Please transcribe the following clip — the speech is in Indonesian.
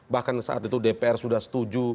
bahkan saat itu dpr sudah setuju